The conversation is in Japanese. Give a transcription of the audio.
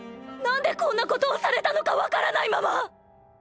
何でこんなことをされたのかわからないまま。